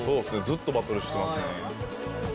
ずっとバトルしてますね。